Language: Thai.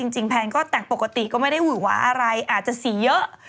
จริงแพนก็แตกปกติก็ไม่ได้หวิววะอะไรอาจจะสีเยอะ